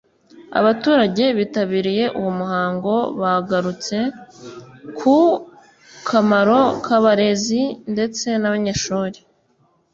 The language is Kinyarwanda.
Abaturage bitabiriye uwo muhango bagarutse ku kamaro k’abarezi ndetse n’abanyeshuri